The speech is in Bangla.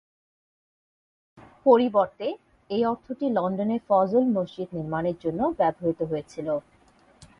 পরিবর্তে, এই অর্থটি লন্ডনে ফজল মসজিদ নির্মাণের জন্য ব্যবহৃত হয়েছিল।